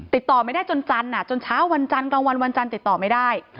ติดต่อไม่ได้จนจันทร์จนเช้าวันจันทร์กลางวันวันจันทร์ติดต่อไม่ได้